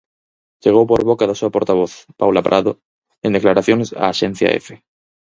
Chegou por boca da súa portavoz, Paula Prado, en declaracións á axencia Efe.